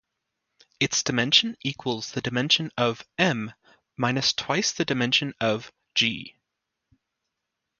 Its dimension equals the dimension of "M" minus twice the dimension of "G".